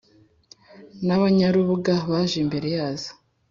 n abanyarubuga baje imbere yazo